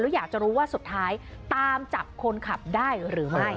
อยากจะรู้ว่าสุดท้ายตามจับคนขับได้หรือไม่